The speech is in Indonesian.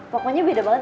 pokoknya beda banget deh